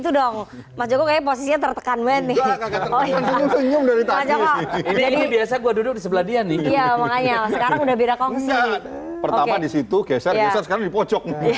pertama disitu geser geser sekarang di pojok